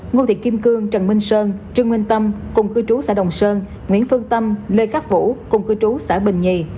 ngô thị kim cương trần minh sơn trương minh tâm cùng cư trú xã đồng sơn nguyễn phương tâm lê khắc vũ cùng cư trú xã bình nhì